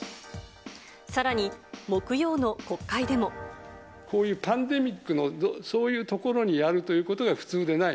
さらに、こういうパンデミックのそういうところにやるということが普通でない。